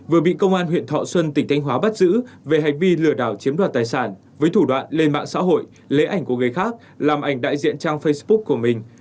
vừa bị công an huyện thọ xuân tỉnh thanh hóa bắt giữ về hành vi lừa đảo chiếm đoạt tài sản với thủ đoạn lên mạng xã hội lấy ảnh của người khác làm ảnh đại diện trang facebook của mình